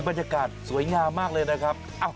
บรรยากาศสวยงามมากเลยนะครับ